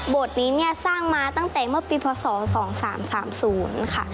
นี้เนี่ยสร้างมาตั้งแต่เมื่อปีพศ๒๓๓๐ค่ะ